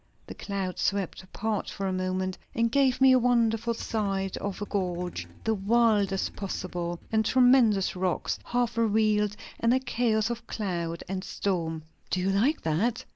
The clouds swept apart for a moment, and gave me a wonderful sight of a gorge, the wildest possible, and tremendous rocks, half revealed, and a chaos of cloud and storm." "Do you like that?"